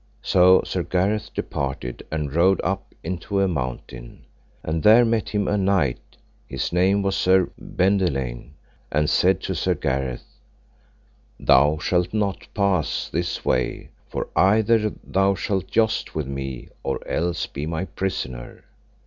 So Sir Gareth departed and rode up into a mountain, and there met him a knight, his name was Sir Bendelaine, and said to Sir Gareth: Thou shalt not pass this way, for either thou shalt joust with me, or else be my prisoner.